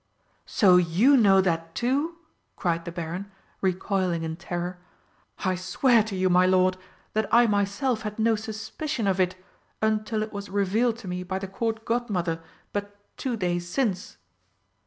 "So you know that, too!" cried the Baron, recoiling in terror. "I swear to you, my lord, that I myself had no suspicion of it until it was revealed to me by the Court Godmother but two days since!"